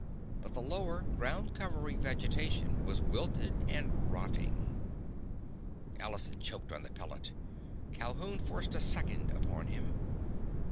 But the lower, ground covering vegetation was wilted and rotting. Allison choked upon the pellet. Calhoun forced a second upon him.